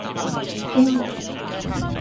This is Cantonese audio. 你驚啊？